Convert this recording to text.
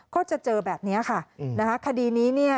ก็จะเจอแบบนี้ค่ะนะคะคดีนี้เนี่ย